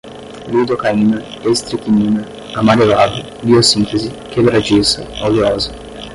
lidocaína, estricnina, amarelado, biossíntese, quebradiça, oleosa